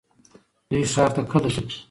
دوی ښار ته کله ځي؟